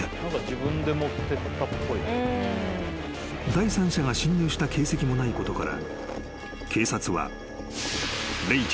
［第三者が侵入した形跡もないことから警察は］